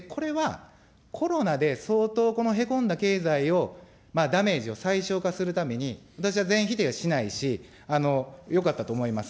これは、コロナで相当、このへこんだ経済をダメージを最小化するために、私は全否定はしないし、よかったと思います。